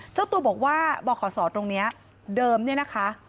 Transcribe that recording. เจ้าตัวบอกว่าบขศตรงนี้เดิมเนี่ยนะคะ